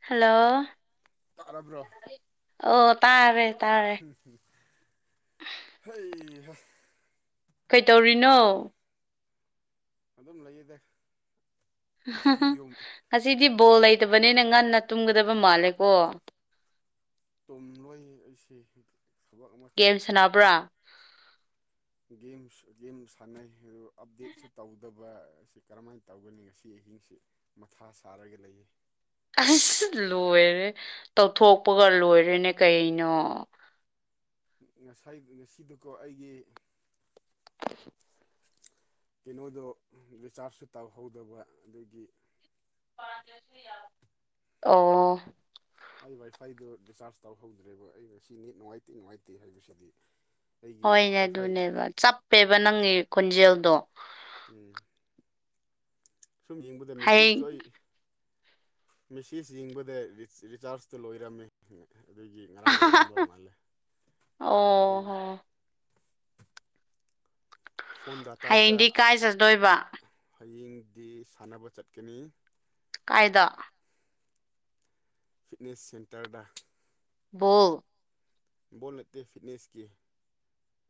Hello ꯇꯥꯔꯕ꯭ꯔꯣ ꯑꯣ ꯇꯥꯔꯦ ꯇꯥꯔꯦ ꯍꯩꯍꯥ ꯀꯩꯇꯧꯔꯤꯅꯣ ꯑꯗꯨꯝ ꯂꯩꯌꯦꯗ ꯍꯝ ꯍꯝ ꯏꯁꯇꯤꯗꯤꯌꯣ ꯉꯁꯤꯗꯤ ꯕꯣꯜ ꯂꯩꯇꯕꯅꯤꯅ ꯉꯟꯅ ꯇꯨꯝꯒꯗꯕ ꯃꯥꯜꯂꯦꯀꯣ ꯇꯨꯝꯂꯣꯏ ꯑꯩꯁꯦ ꯊꯕꯛ ꯑꯃ ꯊꯣꯛ ꯁꯟꯅꯕ꯭ꯔꯥ ꯒꯦꯝ ꯒꯦꯝ ꯁꯥꯟꯅꯩ ꯑꯗꯨ ꯑꯞꯗꯦꯠꯁꯨ ꯇꯧꯗꯕ ꯑꯁꯤ ꯀꯔꯝꯍꯥꯏꯅ ꯇꯧꯒꯅꯤ ꯉꯁꯤ ꯑꯍꯤꯡꯁꯤ ꯃꯊꯥ ꯁꯥꯔꯒ ꯂꯩꯌꯦ ꯑꯁ ꯂꯣꯏꯔꯦ ꯇꯧꯊꯣꯛꯄꯒ ꯂꯣꯏꯔꯦꯅꯦ ꯀꯩꯅꯣ ꯉꯁꯥꯏ ꯉꯁꯤꯗꯨꯀꯣ ꯑꯩꯒꯤ [unintelligible] ꯀꯩꯅꯣꯗꯣ ꯔꯤꯆꯥꯔꯖꯁꯨ ꯇꯧꯍꯧꯗꯕ ꯑꯗꯒꯤ ꯑꯣ ꯑꯩ ꯋꯥꯏꯐꯥꯏꯗꯣ ꯔꯤꯆꯥꯔꯖ ꯇꯧꯍꯧꯗ꯭ꯔꯦꯕ ꯑꯩ ꯉꯁꯤꯅꯤꯠ ꯅꯨꯡꯉꯥꯏꯇꯦ ꯅꯨꯡꯉꯥꯏꯇꯦ ꯍꯥꯏꯕꯁꯤꯗꯤ ꯑꯩꯒꯤ ꯍꯣꯏꯅꯦ ꯋꯥꯏꯐꯥꯏ ꯑꯗꯨꯅꯦꯕ ꯆꯞꯄꯦꯕ ꯅꯪꯒꯤ ꯈꯣꯟꯖꯦꯜꯗꯣ ꯎꯝ ꯁꯨꯝ ꯌꯦꯡꯕꯗ ꯃꯦꯁꯦꯖꯇꯣ ꯍꯌꯦꯡ ꯑꯩ ꯃꯦꯁꯦꯖ ꯌꯦꯡꯕꯗ ꯔꯤꯆꯥꯔꯖꯇꯣ ꯂꯣꯏꯔꯝꯃꯦ ꯑꯗꯒꯤ ꯉꯔꯥꯡ ꯂꯣꯏꯔꯝꯕ ꯃꯥꯜꯂꯦ ꯑꯣ ꯑꯗꯨꯗꯒꯤ ꯍꯣ ꯐꯣꯟ ꯗꯥꯇꯥꯗ ꯍꯌꯦꯡꯗꯤ ꯀꯥꯏ ꯆꯠꯇꯣꯏꯕ ꯍꯌꯦꯡꯗꯤ ꯁꯥꯟꯅꯕ ꯆꯠꯀꯅꯤ ꯀꯥꯏꯗ ꯐꯤꯠꯅꯦꯁ ꯁꯦꯟꯇꯔꯗ ꯕꯣꯜ ꯕꯣꯜ ꯅꯠꯇꯦ ꯐꯤꯠꯅꯦꯁꯀꯤ꯫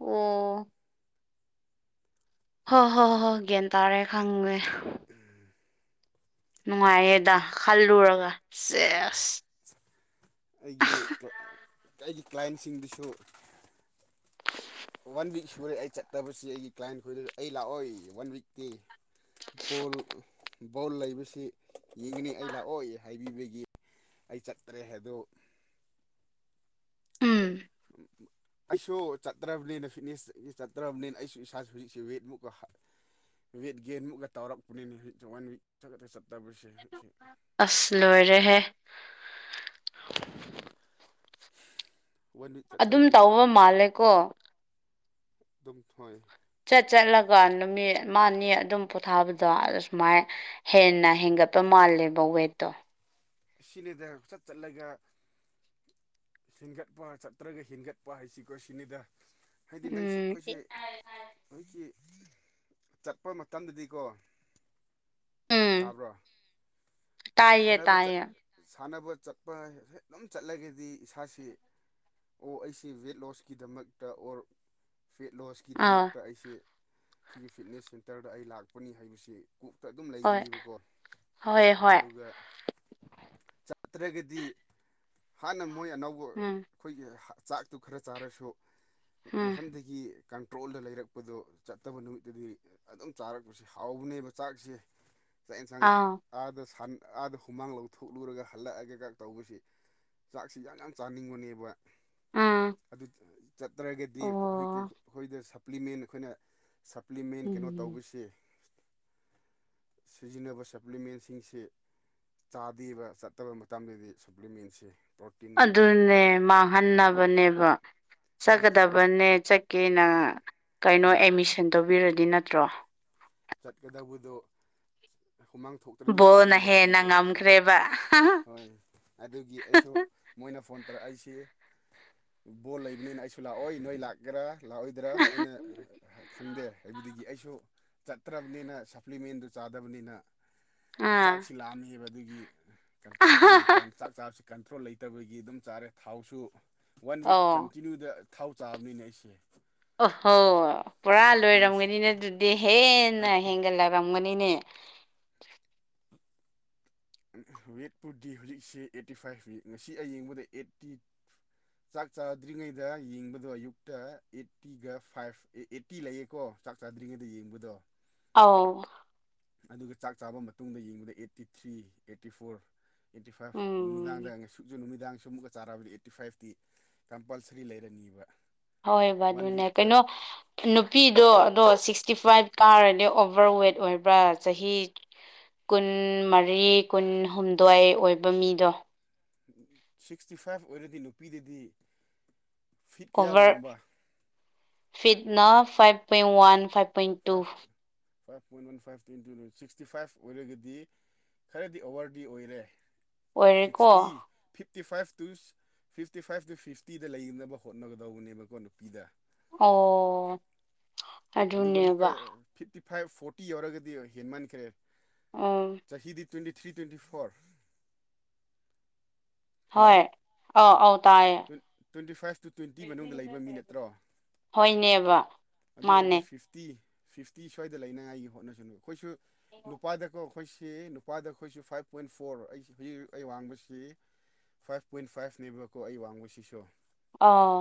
ꯑꯣ ꯍꯣ ꯍꯣ ꯍꯣ ꯒ꯭ꯌꯥꯟ ꯇꯥꯔꯦ ꯈꯪꯉꯦ ꯎꯝ ꯅꯨꯡꯉꯥꯏꯌꯦꯗ ꯈꯜꯂꯨꯔꯒ ꯍꯣꯏ ꯆꯦꯁ ꯑꯩꯒꯤ ꯑꯩꯒꯤ ꯀ꯭ꯂꯥꯏꯟꯁꯤꯡꯗꯨꯁꯨ ꯋꯥꯟ ꯋꯤꯛ ꯁꯨꯔꯦ ꯑꯩ ꯆꯠꯇꯕꯁꯤ ꯑꯩꯒꯤ ꯀ꯭ꯂꯥꯏꯟ ꯈꯣꯏꯗꯖꯨ ꯑꯩ ꯂꯥꯛꯑꯣꯏ ꯋꯥꯟ ꯋꯤꯛꯇꯤ ꯕꯣꯜ ꯕꯣꯜ ꯂꯩꯕꯁꯤ ꯌꯦꯡꯒꯅꯤ ꯑꯩ ꯂꯥꯛꯑꯣꯏ ꯍꯥꯏꯕꯤꯕꯒꯤ ꯑꯩ ꯆꯠꯇ꯭ꯔꯦ ꯍꯥꯏꯗꯣ ꯎꯝ [unintelligible] ꯑꯩꯁꯨ ꯆꯠꯇ꯭ꯔꯕꯅꯤꯅ ꯐꯤꯠꯅꯦꯁ ꯆꯠꯇ꯭ꯔꯕꯅꯤꯅ ꯑꯩꯁꯨ ꯏꯁꯥꯁꯦ ꯍꯧꯖꯤꯛꯁꯤ ꯋꯦꯠꯃꯨꯛꯀ ꯋꯦꯠ ꯒꯦꯟꯃꯨꯛ ꯇꯧꯔꯛꯄꯅꯤ ꯋꯥꯟ ꯋꯤꯛ ꯆꯠ ꯆꯠꯇꯕꯁꯦ ꯑꯁ ꯂꯣꯏꯔꯦꯍꯦ ꯋꯥꯟ ꯋꯤꯛ ꯑꯗꯨꯝ ꯆꯠꯇꯕꯁꯦ ꯄꯨꯔꯥ ꯇꯧꯕ ꯃꯥꯜꯂꯦꯀꯣ ꯗꯨꯝ ꯊꯣꯏ ꯆꯠ ꯆꯠꯂꯒ ꯅꯨꯃꯤꯠ ꯃꯅꯤ ꯑꯗꯨꯝ ꯄꯣꯊꯥꯕꯗꯣ ꯁꯨꯃꯥꯏ ꯍꯦꯟꯅ ꯍꯦꯟꯒꯠꯄ ꯃꯥꯜꯂꯦꯕ ꯋꯦꯠꯇꯣ ꯁꯤꯅꯦꯗ ꯆꯠ ꯆꯠꯂꯒ ꯍꯦꯟꯒꯠꯄ ꯆꯠꯇ꯭ꯔꯒ ꯍꯦꯟꯒꯠꯄ ꯍꯥꯏꯁꯤꯀꯣ ꯁꯤꯅꯦꯗ ꯍꯥꯏꯗꯤ ꯅꯪꯁꯤ ꯎꯝ ꯑꯩꯈꯣꯏꯁꯦ ꯍꯧꯖꯤꯛꯀꯤ ꯆꯠꯄ ꯃꯇꯝꯗꯗꯤꯀꯣ ꯎꯝ ꯇꯥꯕ꯭ꯔꯣ ꯇꯥꯏꯌꯦ ꯁꯥꯟꯅꯕ ꯆꯠ ꯇꯥꯏꯌꯦ ꯁꯥꯟꯅꯕ ꯆꯠꯄ ꯑꯗꯨꯝ ꯆꯠꯂꯒꯗꯤ ꯏꯁꯥꯁꯤ ꯑꯣ ꯑꯩꯁꯦ ꯋꯦꯠ ꯂꯣꯁꯀꯤꯗꯃꯛꯇ ꯑꯣꯔ ꯐꯦꯠ ꯂꯣꯁ ꯑꯥ ꯀꯤꯗꯃꯛꯇ ꯑꯩꯁꯤ ꯁꯤꯒꯤ ꯐꯤꯠꯅꯦꯁ ꯁꯦꯟꯇꯔꯗ ꯑꯩ ꯂꯥꯛꯄꯅꯤ ꯍꯥꯏꯕꯁꯤ ꯀꯣꯛꯇ ꯑꯗꯨꯝ ꯍꯣꯏ ꯂꯩꯒꯤꯅꯤꯕꯀꯣ ꯍꯣꯏ ꯍꯣꯏ ꯑꯗꯨꯒ ꯆꯠꯇ꯭ꯔꯒꯗꯤ ꯍꯥꯟꯅ ꯃꯣꯏ ꯑꯅꯧꯕ ꯎꯝ ꯑꯩꯈꯣꯏꯒꯤ ꯆꯥꯛꯇꯨ ꯈꯔ ꯆꯥꯔꯁꯨ ꯎꯝ ꯅꯍꯥꯟꯗꯒꯤ ꯀꯟꯇ꯭ꯔꯣꯜꯗ ꯂꯩꯔꯛ ꯄꯗꯣ ꯆꯠꯇꯕ ꯅꯨꯃꯤꯠꯇꯗꯤ ꯑꯗꯨꯝ ꯆꯥꯔꯛꯄꯁꯦ ꯍꯥꯎꯕꯅꯦꯕ ꯆꯥꯛꯁꯦ ꯆꯥꯛ ꯑꯦꯟꯁꯥꯡ ꯑꯥ ꯑꯥꯗ ꯁꯥꯟ ꯑꯥꯗ ꯍꯨꯃꯥꯡ ꯂꯧꯊꯣꯛꯂꯨꯔꯒ ꯍꯜꯂꯛꯑꯒꯒ ꯇꯧꯕꯁꯤ ꯆꯥꯛꯁꯤ ꯌꯥꯝ ꯌꯥꯝ ꯆꯥꯅꯤꯡꯕꯅꯦꯕ ꯎꯝ ꯑꯗꯨ ꯆꯠꯇ꯭ꯔꯒꯗꯤ ꯈꯣꯏꯒꯤ ꯑꯣ ꯑꯩꯈꯣꯏꯗ ꯁꯄ꯭ꯂꯤꯃꯦꯟ ꯑꯩꯈꯣꯏꯅ ꯁꯄ꯭ꯂꯤꯃꯦꯟ ꯀꯩꯅꯣ ꯎꯝ ꯇꯧꯕꯁꯤ ꯁꯤꯖꯤꯟꯅꯕ ꯁꯄ꯭ꯂꯤꯃꯦꯟꯁꯤꯡꯁꯤ ꯆꯥꯗꯦꯕ ꯆꯠꯇꯕ ꯃꯇꯝꯗꯗꯤ ꯁꯄ꯭ꯂꯤꯃꯦꯟꯁꯦ ꯄ꯭ꯔꯣꯇꯤꯟ ꯀꯔꯤ ꯃꯟꯅꯕꯅꯦꯕ ꯑꯗꯨ ꯆꯠꯀꯗꯕꯅꯦ ꯆꯠꯀꯦꯅ ꯀꯩꯅꯣ ꯎꯝ ꯑꯦꯗꯃꯤꯁꯟ ꯇꯧꯕꯤꯔꯗꯤ ꯅꯠꯇ꯭ꯔꯣ ꯆꯠꯀꯗꯧꯕꯗꯣ ꯍꯨꯃꯥꯡ ꯊꯣꯛꯇ꯭ꯔꯗꯤ ꯆꯥꯕ ꯕꯣꯜꯅ ꯍꯦꯟꯅ ꯌꯥꯗꯦꯕ ꯉꯝꯈ꯭ꯔꯦꯕ ꯍꯥ ꯍꯣꯏ ꯑꯗꯨꯒꯤ ꯑꯩꯁꯨ ꯃꯣꯏꯅ ꯐꯣꯟ ꯇꯧꯔꯛꯑꯩꯁꯤ ꯕꯣꯜ ꯂꯩꯕꯅꯤꯅ ꯑꯩꯁꯨ ꯂꯥꯛꯑꯣꯏ ꯅꯣꯏ ꯂꯥꯛ ꯒꯔꯥ ꯂꯥꯛꯑꯣꯏꯗ꯭ꯔꯥ ꯑꯩꯅ ꯈꯪꯗꯦ ꯍꯥꯏꯕꯗꯒꯤ ꯑꯩꯁꯨ ꯆꯠꯇ꯭ꯔꯕꯅꯤꯅ ꯁꯄ꯭ꯂꯤꯃꯦꯟꯗꯨ ꯆꯥꯗꯕꯅꯤꯅ ꯑꯥ ꯆꯥꯛꯁꯨ ꯂꯥꯝꯃꯦꯕ ꯑꯗꯨꯒꯤ ꯑꯗꯨꯒꯤ ꯀꯥꯟ ꯆꯥꯛ ꯆꯥꯕꯁꯤ ꯀꯟꯇ꯭ꯔꯣꯜ ꯂꯩꯇꯕꯒꯤ ꯑꯗꯨꯝ ꯆꯥꯔꯦ ꯊꯥꯎꯁꯨ ꯋꯥꯟ ꯋꯤꯛ ꯑꯣ ꯀꯟꯇꯤꯅ꯭ꯌꯨꯗ ꯊꯥꯎ ꯆꯥꯕꯅꯤꯅꯦ ꯑꯩꯁꯦ ꯑꯍꯣ ꯄꯨꯔꯥ ꯂꯣꯏꯔꯝꯒꯅꯤꯅꯦ ꯑꯗꯨꯗꯤ ꯍꯦꯟꯅ ꯍꯦꯟꯒꯠꯂꯛꯂꯝꯒꯅꯤꯅꯦ ꯋꯦꯠꯄꯨꯗꯤ ꯍꯧꯖꯤꯛꯁꯦ ꯑꯦꯠꯇꯤ ꯐꯥꯏꯚ ꯉꯁꯤ ꯑꯩ ꯌꯦꯡꯕꯗ ꯑꯦꯠꯇꯤ ꯆꯥꯛ ꯆꯥꯗ꯭ꯔꯤꯉꯩꯗ ꯌꯦꯡꯕꯗꯣ ꯑꯌꯨꯛꯇ ꯑꯦꯠꯇꯤꯒ ꯐꯥꯏꯚ ꯑꯦ ꯑꯩꯠꯇꯤ ꯂꯩꯌꯦꯀꯣ ꯆꯥꯛ ꯆꯥꯗ꯭ꯔꯤꯉꯩꯗ ꯌꯦꯡꯕꯗꯣ ꯑꯥꯎ ꯑꯗꯨꯒ ꯆꯥꯛ ꯆꯥꯕ ꯃꯇꯨꯡꯗ ꯌꯦꯡꯕꯗ eighty three eighty four eighty five ꯅꯨꯃꯤꯗꯥꯡꯗ ꯎꯝ ꯉꯁꯨꯛꯁꯨ ꯅꯨꯃꯤꯗꯥꯡ ꯁꯨꯃꯨꯛꯀ ꯆꯥꯔꯕꯗꯤ ꯑꯩꯠ ꯇꯤꯐꯥꯏꯚꯇꯤ ꯀꯝꯄꯜꯁꯔꯤ ꯂꯩꯔꯅꯤꯕ ꯍꯣꯏꯕ ꯋꯥꯟ ꯑꯗꯨꯅꯦ ꯋꯤꯛꯇ ꯀꯩꯅꯣ ꯅꯨꯄꯤꯗꯣ ꯑꯗꯣ ꯁꯤꯛꯁꯇꯤ ꯐꯥꯏꯚ ꯀꯥꯔꯗꯤ ꯑꯣꯚꯔꯋꯦꯠ ꯑꯣꯏꯕ꯭ꯔꯥ ꯆꯍꯤ ꯀꯨꯟ ꯃꯔꯤ ꯀꯨꯟꯍꯨꯝꯗꯣꯏ ꯑꯣꯏꯕ ꯃꯤꯗꯣ ꯁꯤꯛꯁꯇꯤ ꯐꯥꯏꯚ ꯑꯣꯏꯔꯗꯤ ꯅꯨꯄꯤꯗꯗꯤ ꯐꯤꯠ ꯀꯌꯥ ꯑꯣꯚꯔ ꯋꯥꯡꯕ ꯐꯤꯠꯅ five point one five point two five five point one five twenty sixty five ꯑꯣꯏꯔꯒꯗꯤ ꯈꯔꯗꯤ ꯑꯣꯚꯔꯗꯤ ꯑꯣꯏꯔꯦ ꯑꯣꯏꯔꯦꯀꯣ sixty fifty five two fifty five two ꯐꯤꯐꯇꯤꯗ ꯂꯩꯅꯕ ꯍꯣꯠꯅꯒꯗꯧꯕꯅꯦꯕꯀꯣ ꯅꯨꯄꯤꯗ ꯑꯣ ꯑꯗꯨꯒ ꯃꯨꯛꯀ ꯑꯗꯨꯅꯦꯕ ꯐꯤꯞꯇꯤ ꯐꯥꯏꯚ ꯐꯣꯔꯇꯤ ꯌꯧꯔꯒꯗꯤ ꯍꯦꯟꯃꯟꯈ꯭ꯔꯦ ꯎꯝ ꯆꯍꯤꯗꯤ ꯇ꯭ꯋꯦꯟꯇꯤ ꯊ꯭ꯔꯤ ꯇ꯭ꯋꯦꯟꯇꯤ ꯐꯣꯔ ꯍꯣꯏ ꯍꯜꯂꯣ ꯑ ꯑꯥꯎ ꯇꯥꯏꯌꯦ ꯇ꯭ꯋꯦꯟꯇꯤ ꯐꯥꯏꯚ ꯇꯨ ꯇ꯭ꯋꯦꯟꯇꯤ ꯃꯅꯨꯡꯗ ꯂꯩꯕ ꯃꯤ ꯅꯠꯇ꯭ꯔꯣ ꯍꯣꯏꯅꯦꯕ ꯑꯗꯨ ꯃꯥꯅꯦ ꯑꯣꯏꯔꯗꯤ ꯐꯤꯐꯇꯤ ꯐꯤꯐꯇꯤ ꯁ꯭ꯋꯥꯏꯗ ꯂꯩꯅꯉꯥꯏꯒꯤ ꯍꯣꯠꯅꯖꯅꯨ ꯑꯩꯈꯣꯏꯁꯨ ꯅꯨꯄꯥꯗꯀꯣ ꯑꯩꯈꯣꯏꯁꯦ ꯅꯨꯄꯥꯗ ꯑꯩꯈꯣꯏꯁꯤ ꯐꯥꯏꯚ ꯄꯣꯏꯟ ꯐꯣꯔ ꯑꯩꯁꯤ ꯍꯧꯖꯤꯛ ꯑꯩ ꯋꯥꯡꯕꯁꯤ ꯐꯥꯏꯚ ꯄꯣꯏꯟ ꯐꯥꯏꯚꯅꯦꯕꯀꯣ ꯑꯩ ꯋꯥꯡꯕꯁꯤꯁꯨ ꯑꯥ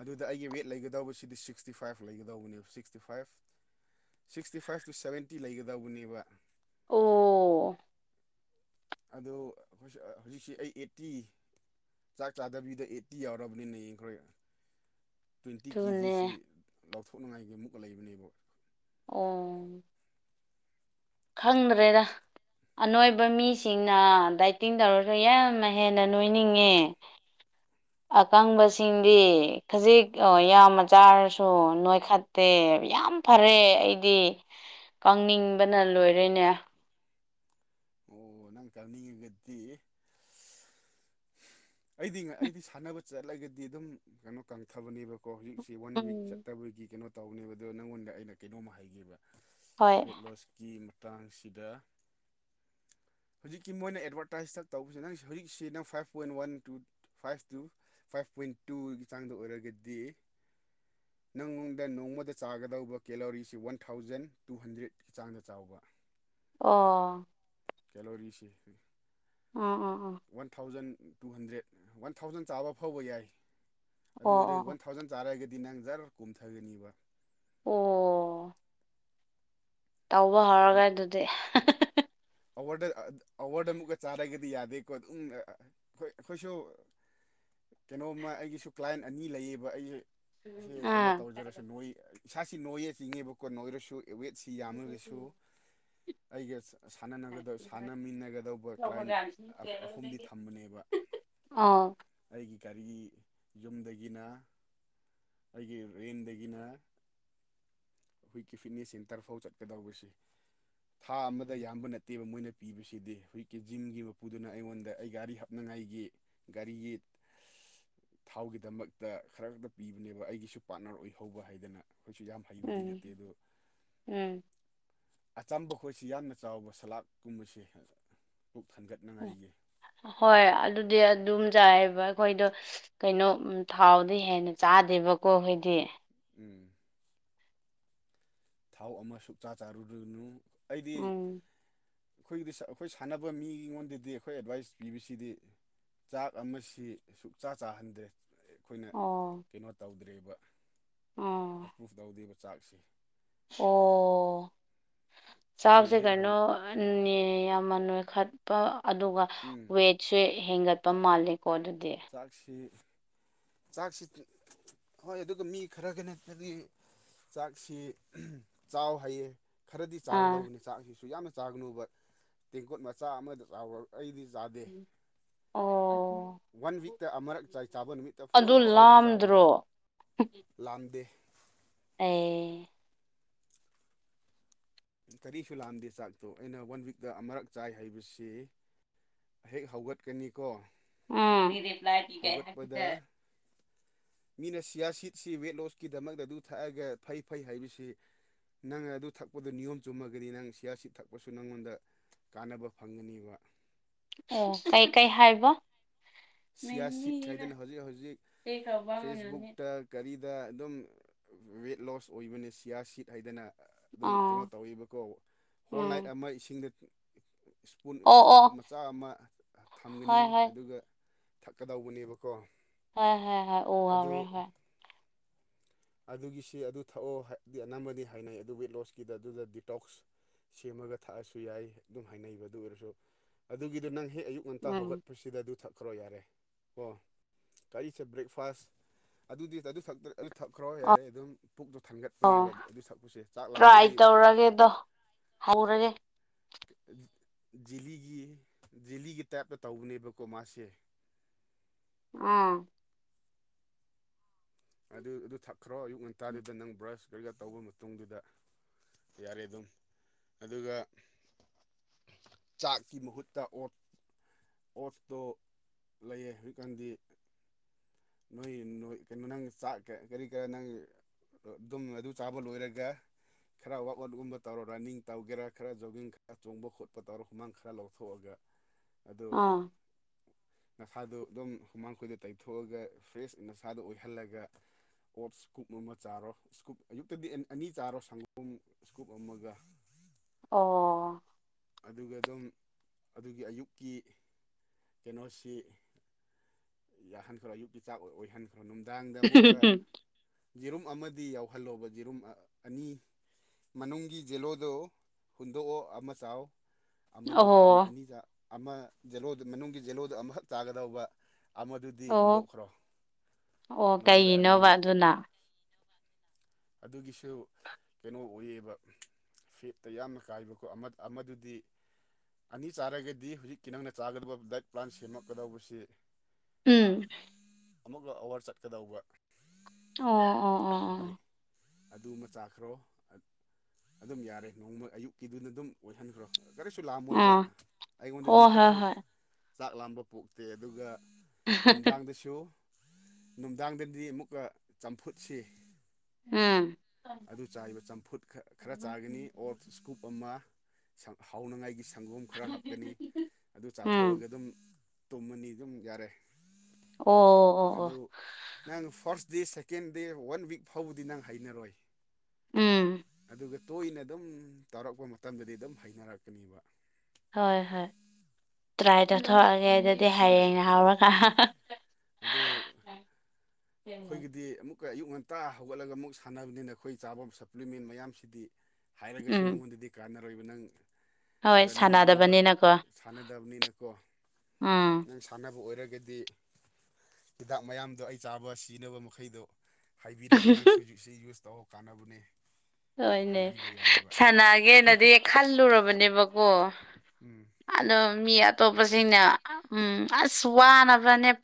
ꯑꯗꯨꯗ ꯑꯩꯒꯤ ꯋꯦꯠ ꯂꯩꯒꯗꯧꯕꯁꯤꯗꯤ ꯁꯤꯛꯁꯇꯤ ꯐꯥꯏꯚ ꯂꯩꯒꯗꯧꯕꯅꯦꯕ sixty five sixty five two seventy ꯂꯩꯒꯗꯧꯕꯅꯦꯕ ꯑꯣ ꯑꯗꯣ ꯍꯧꯖꯤꯛꯁꯦ ꯑꯩ ꯑꯦꯠꯇꯤ ꯆꯥꯛ ꯆꯥꯗꯕꯤꯗ ꯑꯩꯠꯇꯤ ꯌꯥꯎꯔꯕꯅꯤꯅ ꯌꯦꯡꯈ꯭ꯔꯣ ꯇ꯭ꯋꯦꯟꯇꯤ ꯀꯦ ꯑꯗꯨꯅꯦ ꯖꯤꯁꯤ ꯂꯧꯊꯣꯛꯅꯉꯥꯏꯒꯤ ꯑꯃꯨꯛꯀ ꯂꯩꯕꯅꯦꯕ ꯑꯣ ꯈꯪꯗ꯭ꯔꯦꯗ ꯑꯅꯣꯏꯕ ꯃꯤꯁꯤꯡꯅ ꯗꯥꯏꯇꯤꯡ ꯇꯧꯔꯁꯨ ꯌꯥꯝ ꯍꯦꯟꯅ ꯅꯣꯏꯅꯤꯡꯉꯦ ꯑꯀꯪꯕꯁꯤꯡꯗꯤ ꯈꯖꯤꯛ ꯌꯥꯝꯅ ꯆꯥꯔꯁꯨ ꯅꯣꯏꯈꯠ ꯇꯦ ꯌꯥꯝ ꯐꯔꯦ ꯑꯩꯗꯤ ꯀꯪꯅꯤꯡꯕꯅ ꯂꯣꯏꯔꯦꯅꯦ ꯑꯣ ꯅꯪ ꯀꯪꯅꯤꯡꯉꯒꯗꯤ ꯑꯩꯗꯤ ꯑꯩꯗꯤ ꯁꯥꯟꯅꯕ ꯆꯠꯂꯒꯗꯤ ꯑꯗꯨꯝ ꯀꯩꯅꯣ ꯀꯪ ꯊꯕꯅꯦꯕꯀꯣ ꯍꯧꯖꯤꯛꯁꯦ ꯋꯥꯟ ꯋꯤꯛ ꯎꯝ ꯆꯠꯇꯕꯒꯤ ꯀꯩꯅꯣ ꯇꯧꯕꯅꯦꯕ ꯑꯗꯣ ꯅꯪꯉꯣꯟꯗ ꯑꯩꯅ ꯀꯩꯅꯣꯝꯃ ꯍꯥꯏꯒꯦꯕ ꯍꯣꯏ ꯐꯦꯠꯂꯣꯁꯀꯤ ꯃꯇꯥꯡꯁꯤꯗ ꯍꯧꯖꯤꯛꯀꯤ ꯃꯣꯏꯅ ꯑꯦꯗꯚꯔꯇꯥꯏꯁꯇ ꯇꯧꯕꯁꯤꯗ ꯅꯪ ꯍꯧꯖꯤꯛꯁꯤ ꯅꯪ five point one two five two five point ꯇꯨꯒꯤ ꯆꯥꯡꯗ ꯑꯣꯏꯔꯒꯗꯤ ꯅꯪꯉꯣꯟꯗ ꯅꯣꯡꯃꯗ ꯆꯥꯒꯗꯧꯕ ꯀꯦꯂꯣꯔꯤꯁꯤ ꯋꯥꯟ ꯊꯥꯎꯖꯟ ꯇꯨ ꯍꯟꯗ꯭ꯔꯦꯠ ꯆꯥꯡꯗ ꯆꯥꯎꯕ ꯑꯣ ꯀꯦꯂꯣꯔꯤꯁꯦ ꯑꯣ ꯑꯣ one thousand two hundred one thousand ꯆꯥꯕ ꯐꯥꯎꯕ ꯌꯥꯏ ꯑꯣ ꯑꯗꯨ ꯑꯣꯏꯔ ꯋꯥꯟ ꯑꯣ ꯊꯥꯎ ꯊꯥꯎꯖꯟ ꯆꯥꯔꯒꯗꯤ ꯅꯪ ꯖꯔ ꯀꯨꯝꯊꯒꯅꯤꯕ ꯑꯣ ꯇꯧꯕ ꯍꯧꯔꯒꯦ ꯑꯗꯨꯗꯤ ꯑꯋꯥꯔꯗ ꯑꯋꯥꯔꯗ ꯑꯃꯨꯛꯀ ꯆꯥꯔꯒꯗꯤ ꯌꯥꯗꯦꯀꯣ ꯑꯗꯨꯝ ꯑꯩꯈꯣꯏ ꯑꯩꯈꯣꯏꯁꯨ ꯀꯩꯅꯣꯝꯃ ꯑꯩꯒꯤꯁꯨ ꯀ꯭ꯂꯥꯏꯟ ꯑꯅꯤ ꯂꯩꯌꯦꯕ ꯑꯩꯁꯦ ꯑꯁꯤ ꯀꯩꯅꯣ ꯑꯥ ꯇꯧꯖꯔꯁꯨ ꯅꯣꯏ ꯏꯁꯥꯁꯤ ꯅꯣꯏꯌꯦ ꯆꯤꯡꯉꯦꯕꯀꯣ ꯅꯣꯏꯔꯁꯨ ꯋꯦꯠꯁꯤ ꯌꯥꯝꯃꯒꯁꯨ ꯑꯩꯒ ꯁꯥꯟꯅ ꯁꯥꯟꯅꯃꯤꯟꯅꯒꯗꯧꯕ ꯑꯣ ꯀ꯭ꯂꯥꯏꯟ ꯑꯍꯨꯝꯗꯤ ꯊꯝꯕꯅꯦꯕ ꯑꯥꯎ ꯑꯩꯒꯤ ꯒꯥꯔꯤ ꯌꯨꯝꯗꯒꯤꯅ ꯑꯩꯒꯤ ꯔꯦꯟꯗꯒꯤꯅ ꯑꯩꯈꯣꯏꯀꯤ ꯐꯤꯠꯅꯦꯁ ꯁꯦꯟꯇꯔꯐꯥꯎ ꯆꯠꯀꯗꯧꯕꯁꯦ ꯊꯥ ꯑꯃꯗ ꯌꯥꯝꯕ ꯅꯠꯇꯦ ꯅꯠꯇꯦꯕ ꯃꯣꯏꯅ ꯄꯤꯕꯁꯤꯗꯤ ꯃꯣꯏ ꯀꯟꯇꯤꯟ ꯃꯄꯨꯗꯨꯅ ꯑꯩꯉꯣꯟꯗꯥ ꯑꯩ ꯒꯥꯔꯤ ꯍꯥꯞꯅꯤꯡꯉꯥꯏꯒꯤ ꯒꯔꯤꯒꯤ ꯊꯥꯎꯒꯤꯗꯃꯛꯇ ꯈꯔ ꯈꯛꯇ ꯄꯤꯕꯅꯦꯕ ꯑꯩꯒꯤꯁꯨ ꯄꯥꯔꯠꯅꯔ ꯑꯣꯏꯍꯧꯕ ꯍꯥꯏꯗꯅ ꯑꯩꯈꯣꯏꯁꯨ ꯌꯥꯝ ꯍꯩꯕꯗꯤ ꯅꯠꯇꯦ ꯎꯝ ꯑꯗꯨ ꯎꯝ ꯑꯆꯝꯕ ꯑꯩꯈꯣꯏꯁꯤ ꯌꯥꯝꯅ ꯆꯥꯎꯕ ꯁꯂꯥꯛꯀꯨꯝꯕꯁꯤ ꯄꯨꯛ ꯊꯟꯒꯠꯅꯤꯉꯥꯏꯒꯤ ꯍꯣꯏ ꯑꯗꯨꯗꯤ ꯑꯗꯨꯝ ꯆꯥꯏꯕ ꯑꯩꯈꯣꯏꯗꯣ ꯀꯩꯅꯣ ꯊꯥꯎꯗꯤ ꯍꯦꯟꯅ ꯆꯥꯗꯦꯕꯀꯣ ꯑꯩꯈꯣꯏꯗꯤ ꯎꯝ ꯊꯥꯎ ꯑꯃ ꯁꯨꯛꯆꯥ ꯆꯥꯔꯨꯔꯅꯨ ꯑꯩꯗꯤ ꯎꯝ ꯑꯩꯈꯣꯏꯒꯤꯗꯤ ꯑꯩꯈꯣꯏ ꯁꯥꯟꯅꯕ ꯃꯤ ꯑꯩꯉꯣꯟꯗꯗꯤ ꯑꯩꯈꯣꯏ ꯑꯦꯗꯚꯥꯏꯁ ꯄꯤꯕꯁꯤꯗꯤ ꯆꯥꯛ ꯑꯃꯁꯤ ꯁꯨꯛꯆꯥ ꯆꯥꯍꯟꯗ꯭ꯔꯦ ꯑꯩꯈꯣꯏꯅ ꯑꯣ ꯀꯩꯅꯣ ꯇꯧꯗ꯭ꯔꯤꯕ ꯑꯣ ꯑꯦꯄ꯭ꯔꯨꯚ ꯇꯧꯗ꯭ꯔꯤꯕ ꯆꯥꯛꯁꯤ ꯑꯣ ꯆꯥꯛ ꯑꯌꯨꯛ ꯁꯤ ꯍꯦꯛ ꯍꯧ ꯀꯩꯅꯣ ꯅꯦ ꯌꯥꯝꯅꯥ ꯅꯣꯏ ꯈꯠꯄ ꯑꯗꯨꯒ ꯎꯝ ꯋꯦꯠꯁꯦ ꯍꯦꯟꯒꯠꯄ ꯃꯥꯜꯂꯦꯀꯣ ꯑꯗꯨꯗꯤ ꯆꯥꯛꯁꯤ ꯆꯥꯛꯁꯤ ꯍꯣꯏ ꯑꯗꯨꯗꯣ ꯃꯤ ꯈꯔꯒ ꯅꯠꯇꯗꯤ ꯆꯥꯛꯁꯤ ꯆꯥꯎ ꯍꯥꯏꯌꯦ ꯈꯔꯗꯤ ꯑꯥ ꯆꯥꯒꯗꯧꯕꯅꯤ ꯆꯥꯛꯁꯤꯁꯨ ꯌꯥꯝꯅ ꯆꯥꯒꯅꯨꯕ ꯇꯦꯡꯀꯣꯠ ꯃꯆꯥ ꯑꯃꯗ ꯆꯥꯎꯔ ꯑꯩꯗꯤ ꯆꯥꯗꯦ ꯑꯣ ꯋꯥꯟ ꯋꯤꯛꯇ ꯑꯃꯨꯔꯛ ꯆꯥꯏ ꯆꯥꯕ ꯅꯨꯃꯤꯠꯇ ꯐꯨꯜ ꯑꯗꯨ ꯊꯥꯎꯁꯨ ꯆꯥꯒꯅꯤ ꯂꯥꯝꯗ꯭ꯔꯣ ꯂꯥꯝꯗꯦ ꯑꯦ ꯀꯔꯤꯁꯨ ꯂꯥꯝꯗꯦ ꯆꯥꯛꯇꯣ ꯑꯩꯅ ꯋꯥꯟ ꯋꯤꯛꯇ ꯑꯃꯔꯛ ꯆꯥꯏ ꯍꯥꯏꯕꯁꯤ ꯍꯦꯛ ꯍꯧꯒꯠꯀꯅꯤꯀꯣ ꯎꯗꯤꯞ꯭ꯂꯥꯏꯗꯤꯒꯥꯏ ꯍꯧꯒꯠꯄꯗ ꯍꯥꯏꯈꯤꯗꯦ [inaudible] ꯃꯤꯅ ꯁꯤꯌꯥꯁꯤꯠꯁꯤ ꯋꯦꯠꯂꯣꯁꯀꯤꯗꯃꯛꯇ ꯑꯗꯨ ꯊꯛꯑꯒ ꯐꯩ ꯐꯩ ꯍꯥꯏꯕꯁꯤ ꯅꯪ ꯑꯗꯨ ꯊꯛꯄꯗ ꯅꯤꯌꯣꯝ ꯆꯨꯝꯃꯒꯗꯤ ꯅꯪ ꯁꯤꯌꯥꯁꯤꯠ ꯊꯛꯄꯁꯨ ꯅꯪꯉꯣꯟꯗ ꯀꯥꯟꯅꯕ ꯐꯪꯒꯅꯤꯕ ꯑꯣ ꯀꯩꯀꯩ ꯍꯥꯏꯕꯥ ꯁꯤꯌꯥ ꯁꯤꯠ ꯍꯥꯏꯗꯅ ꯍꯧꯖꯤꯛ ꯍꯧꯖꯤꯛ ꯄꯤꯈ꯭ꯔꯕ ꯃꯌꯥꯝꯅꯤ ꯐꯦꯁꯕꯨꯛꯇ ꯀꯔꯤꯗ ꯑꯗꯨꯝ ꯋꯦꯠ ꯂꯣꯁ ꯑꯣꯏꯕꯅꯦ ꯁꯤꯌꯥ ꯁꯤꯠ ꯍꯥꯏꯗꯅ ꯑꯗꯨꯝ ꯀꯩꯅꯣ ꯑꯣ ꯇꯧꯋꯦꯕꯀꯣ ꯍꯣꯜ ꯅꯥꯏꯠ ꯎꯝ ꯑꯃꯥ ꯏꯁꯤꯡꯗ ꯏꯁꯄꯨꯟ ꯑꯣ ꯏꯁꯀꯨꯞ ꯑꯣ ꯃꯆꯥ ꯑꯃ ꯊꯝꯒꯅꯤ ꯍꯣꯏ ꯍꯣꯏ ꯑꯗꯨꯒ ꯊꯛꯀꯗꯧꯕꯅꯦꯕꯀꯣ ꯍ ꯍ ꯍ ꯑꯣ ꯍꯥꯎꯔꯦ ꯑꯗꯨ ꯍꯣꯏ ꯑꯗꯨꯒꯤꯁꯤ ꯑꯗꯨ ꯊꯛꯑꯣ ꯍꯥꯏꯕꯗꯤ ꯑꯅꯝꯕꯅꯤ ꯍꯥꯏꯅꯩ ꯑꯗꯨ ꯋꯦꯠꯂꯣꯁꯀꯤꯗ ꯑꯗꯨꯗ ꯗꯤꯇꯣꯛꯁ ꯁꯦꯝꯃꯒ ꯊꯥꯛꯑꯁꯨ ꯌꯥꯏ ꯑꯗꯨꯝ ꯍꯥꯏꯅꯕ ꯑꯗꯨ ꯑꯣꯏꯔꯁꯨ ꯑꯗꯨꯒꯤꯗꯨ ꯅꯪ ꯍꯦꯛ ꯑꯌꯨꯛ ꯉꯟꯇꯥ ꯎꯝ ꯍꯧꯒꯠꯄꯁꯤ ꯁꯤꯗ ꯑꯗꯨ ꯊꯛꯈ꯭ꯔꯣ ꯌꯥꯔꯦ ꯀꯣ ꯀꯔꯤꯁꯦ ꯕ꯭ꯔꯦꯛꯐꯥꯁ ꯑꯗꯨꯗꯤ ꯑꯗꯨ ꯈ ꯑꯗꯨ ꯊꯛꯈ꯭ꯔ ꯑꯣ ꯌꯥꯔꯦ ꯑꯗꯨꯝ ꯄꯨꯛꯇꯣ ꯑꯣ ꯊꯟꯒꯠꯄꯅꯦꯕ ꯑꯗꯨ ꯊꯥꯛꯄꯁꯦ ꯆꯥꯛ ꯂꯥꯝꯕꯗꯤ ꯇ꯭ꯔꯥꯏ ꯇꯧꯔꯒꯦꯗꯣ ꯍꯧꯔꯒꯦ ꯖꯤꯂꯤꯒꯤ ꯖꯤꯂꯤꯒꯤ ꯇꯥꯏꯞꯇ ꯇꯧꯕꯅꯦꯕꯀꯣ ꯃꯥꯁꯦ ꯑꯥ ꯑꯗꯨ ꯑꯗꯨ ꯊꯛꯈ꯭ꯔꯣ ꯑꯌꯨꯛ ꯉꯟꯇꯥꯗꯨꯗ ꯅꯪ ꯕ꯭ꯔꯁ ꯀꯔꯤꯀꯥ ꯇꯧꯕ ꯃꯇꯨꯡꯗꯨꯗ ꯌꯥꯔꯦ ꯑꯗꯨꯝ ꯑꯗꯨꯒ ꯆꯥꯛꯀꯤ ꯃꯍꯨꯠꯇ ꯑꯣ ꯑꯣꯠꯁꯇꯣ ꯂꯩꯌꯦ ꯍꯧꯖꯤꯛꯀꯥꯟꯗꯤ ꯅꯣꯏ ꯅꯣꯏ ꯀꯩꯅꯣ ꯅꯪ ꯆꯥꯛ ꯀꯔꯤ ꯀꯔ ꯅꯪ ꯑꯗꯨꯝ ꯑꯗꯨ ꯆꯥꯕ ꯂꯣꯏꯔꯒ ꯈꯔ ꯋꯥꯛ ꯑꯥꯎꯠꯒꯨꯝꯕ ꯇꯧꯔꯣ ꯔꯟꯅꯤꯡ ꯇꯧꯒꯦꯔꯥ ꯈꯔ ꯖꯣꯒꯤꯡ ꯈꯔ ꯆꯣꯡꯕ ꯈꯣꯠꯄ ꯇꯧꯔ ꯍꯨꯃꯥꯡ ꯈꯔ ꯂꯧꯊꯣꯛꯑꯒ [inaudible] ꯑꯣ ꯎꯝ ꯅꯁꯥꯗꯨ ꯑꯗꯨꯝ ꯍꯨꯃꯥꯡꯈꯣꯏꯗ ꯇꯩꯊꯣꯛꯑꯒ ꯐ꯭ꯔꯦꯁ ꯑꯁꯥꯗ ꯑꯣꯏꯍꯜꯂꯒ ꯑꯣꯠ ꯁꯀꯨꯞ ꯑꯃ ꯆꯥꯔꯣ ꯁꯀꯨꯞ ꯑꯌꯨꯛꯇꯗꯤ ꯑꯅꯤ ꯆꯥꯔꯣ ꯁꯪꯒꯣꯝ ꯏꯁꯀꯨꯞ ꯑꯃꯒ ꯑꯣ ꯑꯗꯨꯒ ꯑꯗꯨꯝ ꯑꯗꯨꯒꯤ ꯑꯌꯨꯛꯀꯤ ꯀꯩꯅꯣꯁꯤ ꯌꯥꯍꯟꯈ꯭ꯔꯣ ꯑꯌꯨꯛꯀꯤꯆꯥꯛ ꯑꯣꯏꯍꯟꯈ꯭ꯔꯣ ꯅꯨꯡꯗꯥꯡꯗ ꯑꯃꯨꯛꯀ ꯌꯦꯔꯨꯝ ꯑꯃꯗꯤ ꯌꯥꯎꯍꯜꯂꯣꯕ ꯌꯦꯔꯨꯝ ꯑꯅꯤ ꯃꯅꯨꯡꯒꯤ ꯖꯦꯂꯣꯗꯣ ꯍꯨꯟꯗꯣꯛꯑꯣ ꯑꯃ ꯆꯥꯎ ꯑꯃꯗꯨ ꯑꯅꯤ ꯑꯣ ꯑꯃꯖꯣꯗꯨ ꯃꯅꯨꯡꯒꯤ ꯖꯦꯂꯣꯗꯨ ꯑꯃꯈꯛ ꯆꯥꯒꯗꯧꯕ ꯑꯃꯗꯨꯗꯤ ꯑꯣ ꯍꯨꯟꯗꯣꯛꯈ꯭ꯔꯣ ꯑꯣ ꯅꯣꯡꯃꯗ ꯑꯅꯤ ꯀꯩꯒꯤꯅꯣꯕ ꯑꯗꯨꯅ ꯑꯗꯨꯒꯤꯁꯨ ꯀꯩꯅꯣ ꯑꯣꯏꯌꯦꯕ ꯐꯦꯠꯇ ꯌꯥꯝꯅ ꯀꯥꯏꯕꯀꯣ ꯑꯃꯗꯨꯗꯤ ꯑꯅꯤ ꯆꯥꯔꯒꯗꯤ ꯍꯧꯖꯤꯛꯀꯤ ꯅꯪꯅ ꯆꯥꯒꯗꯕ ꯗꯥꯏꯠ ꯄ꯭ꯂꯥꯟ ꯁꯦꯝꯃꯛꯀꯗꯧꯕꯁꯤ ꯎꯝ ꯑꯃꯨꯛꯀ ꯑꯋꯥꯔ ꯆꯠꯀꯗꯧꯕ ꯑꯣ ꯑꯣ ꯑꯣ ꯑꯗꯨꯒꯤ ꯑꯣ ꯑꯗꯨꯃ ꯆꯥꯈ꯭ꯔꯣ ꯑꯗꯨꯝ ꯌꯥꯔꯦ ꯅꯣꯡꯃ ꯑꯌꯨꯛꯀꯤꯗꯨꯅ ꯑꯗꯨꯝ ꯑꯣꯏꯍꯟꯈ꯭ꯔꯣ ꯀꯔꯤꯁꯨ ꯂꯥꯝꯃꯣꯏꯕ ꯑꯥ ꯑꯩꯉꯣꯟꯗꯗꯤ ꯑꯣ ꯍꯣꯏ ꯀꯔꯤꯁꯨ ꯍꯣꯏ ꯆꯥꯛ ꯂꯥꯝꯕ ꯄꯣꯛꯇꯦ ꯑꯗꯨꯒ ꯅꯨꯡꯗꯥꯡꯗꯁꯨ ꯅꯨꯡꯗꯥꯡꯗꯗꯤ ꯑꯃꯨꯛꯀ ꯆꯝꯐꯨꯠꯁꯤ ꯎꯝ ꯑꯗꯨ ꯆꯥꯔꯤꯕ ꯆꯝꯐꯨꯠ ꯈꯔ ꯆꯥꯒꯅꯤ ꯑꯣꯔ ꯏꯁꯀꯨꯞ ꯑꯃ ꯍꯥꯎꯅꯉꯥꯏꯒꯤ ꯁꯪꯒꯣꯝ ꯈꯔ ꯍꯥꯞꯀꯅꯤ ꯑꯗꯨ ꯎꯝ ꯆꯥꯊꯣꯛꯑꯒ ꯑꯗꯨꯝ ꯇꯨꯝꯃꯅꯤ ꯑꯗꯨꯝ ꯌꯥꯔꯦ ꯑꯣ ꯑꯣ ꯑꯗꯨ ꯑꯣ ꯅꯪ first day second day one week ꯐꯥꯎꯕꯗꯤ ꯅꯪ ꯍꯩꯅꯔꯣꯏ ꯎꯝ ꯑꯗꯨꯒ ꯇꯣꯏꯅ ꯑꯗꯨꯝ ꯇꯧꯔꯛꯄ ꯃꯇꯝꯗꯗꯤ ꯑꯗꯨꯝ ꯍꯩꯅꯔꯛꯀꯅꯦꯕ ꯍꯣꯏ ꯍꯣꯏ ꯇ꯭ꯔꯥꯏ ꯇꯥꯊꯛꯑꯒꯦ ꯑꯩꯗ ꯍꯣꯏ ꯍꯌꯦꯡꯩꯅ ꯇ꯭ꯔꯥꯏ ꯍꯥꯎꯔꯒ ꯑꯗꯨ ꯑꯩꯈꯣꯏꯒꯤꯗꯤ ꯑꯃꯨꯛꯀ ꯑꯌꯨꯛ ꯉꯟꯇꯥ ꯍꯧꯒꯠꯂꯒ ꯑꯃꯨꯛ ꯁꯥꯟꯅꯕꯅꯤꯅ ꯑꯩꯈꯣꯏ ꯆꯥꯐꯝ ꯁꯄ꯭ꯂꯤꯃꯦꯟ ꯃꯌꯥꯝꯁꯤꯗꯤ ꯍꯥꯏꯔꯒꯁꯨ ꯎꯝ ꯅꯪꯉꯣꯟꯗꯗꯤ ꯀꯥꯟꯅꯔꯣꯏꯕ ꯅꯪ ꯍꯣꯏ ꯔꯟꯅꯤꯡꯒꯨꯝꯕ ꯁꯥꯟꯅꯗꯕꯅꯤꯅꯀꯣ ꯁꯥꯟꯅꯗꯕꯅꯤꯅꯀꯣ ꯎꯝ ꯀꯥꯟꯅꯕ ꯑꯣꯏꯔꯒꯗꯤ ꯍꯤꯗꯥꯛ ꯃꯌꯥꯝꯗꯣ ꯑꯩ ꯆꯥꯕ ꯁꯤꯖꯤꯟꯅꯕ ꯃꯈꯩꯗꯣ ꯍꯥꯏꯕꯤꯔꯒ ꯅꯪ ꯁꯖꯤꯛꯁꯤ ꯌꯨꯁ ꯇꯧ ꯀꯥꯟꯅꯕꯅꯦ ꯍꯣꯏꯅꯦ ꯍꯥꯏꯕꯤꯕ ꯌꯥꯏꯕ ꯁꯅꯒꯦꯅꯗꯤ ꯈꯜꯂꯨꯔꯕꯅꯦꯕꯀꯣ ꯎꯝ ꯑꯗꯣ ꯃꯤ ꯑꯇꯣꯞꯄꯁꯤꯡꯅ ꯎꯝ ꯑꯁ ꯋꯥꯅꯕ꯭ꯔꯅꯦ